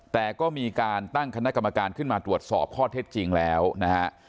แต่ก็มีการตั้งคณะกรรมการขึ้นมาตรวจสอบข้อเท็จจริงแล้วนะฮะ